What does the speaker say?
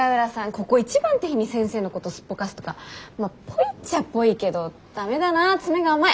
ここ一番って日に先生のことすっぽかすとかまあぽいっちゃぽいけど駄目だな詰めが甘い！